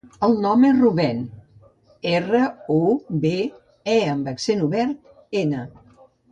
El nom és Rubèn: erra, u, be, e amb accent obert, ena.